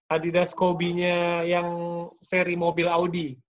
adidas kobe nya yang seri mobil audi